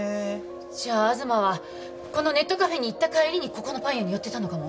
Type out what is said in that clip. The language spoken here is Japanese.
じゃあ東はこのネットカフェに行った帰りにここのパン屋に寄ってたのかも